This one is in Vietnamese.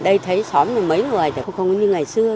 đây thấy xóm mấy người thì không như ngày xưa